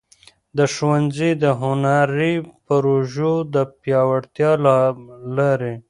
د ښونځي د هنري پروژو د پیاوړتیا له لارې.